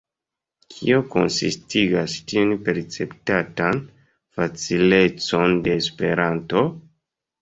Kio konsistigas tiun perceptatan facilecon de Esperanto?